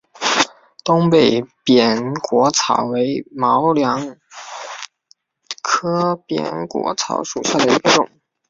东北扁果草为毛茛科扁果草属下的一个种。